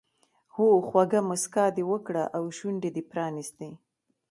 هو خوږه موسکا دې وکړه او شونډې دې پرانیستې.